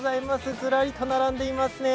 ずらりと並んでいますね。